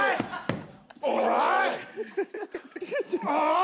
おい！